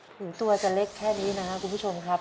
ถึงตัวจะเล็กแค่นี้นะครับคุณผู้ชมครับ